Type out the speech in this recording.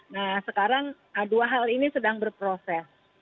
nah sekarang dua hal ini sedang berproses